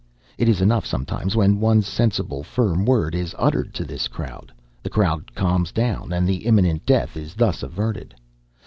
It is enough sometimes when one sensible, firm word is uttered to this crowd the crowd calms down and imminent death is thus averted.